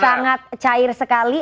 sangat cair sekali